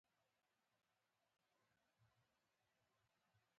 په تصور کې نه شوای را وستلای، د پوځ په ګډون.